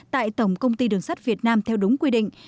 tại tổng công ty đường sắt việt nam theo đúng quy định